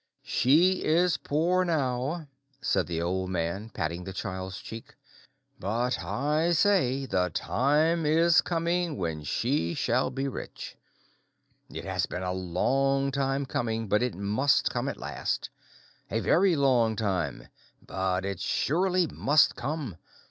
"She is poor now," said the old man, patting the child's cheek, "but, I say again, the time is coming when she shall be rich. It has been a long time coming, but it must come at last. A very long time, but it surely must come.